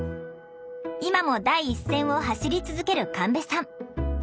今も第一線を走り続ける神戸さん。